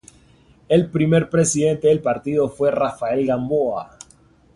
El primer presidente del partido fue Rafael Gamboa.